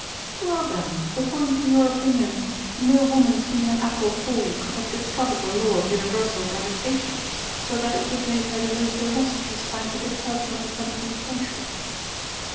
"Well then, according to your opinion, no woman seeing an apple fall could have discovered the law of universal gravitation, so that it would have made her the most illustrious scientific person of the seventeenth century?"